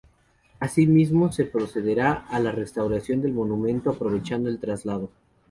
Asimismo, se procederá a la restauración del monumento aprovechando el traslado.